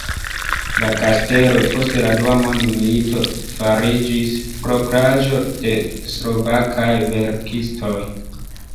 La kastelo post la dua mondmilito fariĝis propraĵo de slovakaj verkistoj.